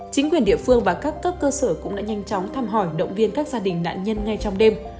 chính quyền địa phương và các cấp cơ sở cũng đã nhanh chóng thăm hỏi động viên các gia đình nạn nhân ngay trong đêm